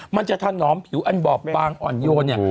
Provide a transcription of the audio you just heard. มันจะถนอมผิวอันบอบบางอ่อนโยนเนี่ย